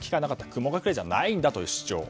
雲隠れじゃないんだという主張。